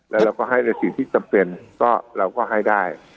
แล้วเราก็ให้ในสิ่งที่จำเป็นก็เราก็ให้ได้